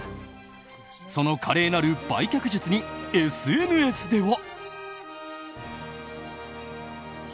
その華麗なる売却術にＳＮＳでは。